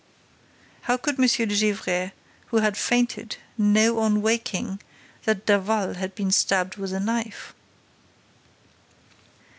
How could M. de Gesvres, who had fainted, know, on waking, that Daval had been stabbed with a knife?"